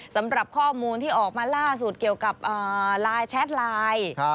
สำหรับข้อมูลที่ออกมาล่าสุดเกี่ยวกับไลน์แชทไลน์